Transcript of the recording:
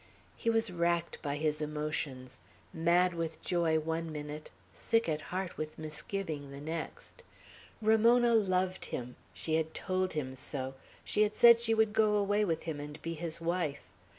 He was racked by his emotions; mad with joy one minute, sick at heart with misgiving the next. Ramona loved him. She had told him so. She had said she would go away with him and be his wife.